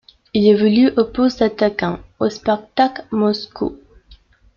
Il évolue au poste d'attaquant au Spartak Moscou.